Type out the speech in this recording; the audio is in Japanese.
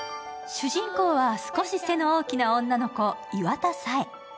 主人公は少し背の大きな女の子岩田朔英。